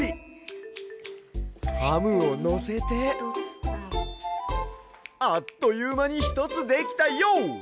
ハムをのせてあっというまにひとつできたＹＯ！